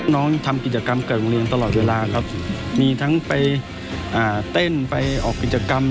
น้องทำกิจกรรมกับโรงเรียนตลอดเวลาครับมีทั้งไปเต้นไปออกกิจกรรม